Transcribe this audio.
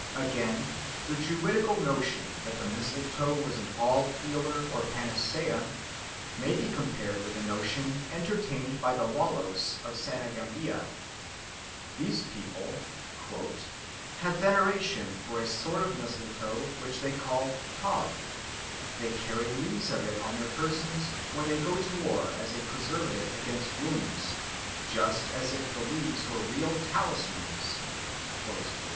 Again, the Druidical notion that the mistletoe was an "all healer" or panacea may be compared with a notion entertained by the Walos of Senegambia. These people "have much veneration for a sort of mistletoe, which they call tob; they carry leaves of it on their persons when they go to war as a preservative against wounds, just as if the leaves were real talismans (gris gris)."